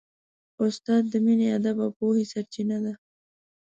استاد د مینې، ادب او پوهې سرچینه ده.